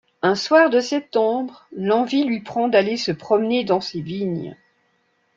Un soir de septembre l'envie lui prend d'aller se promener dans ses vignes.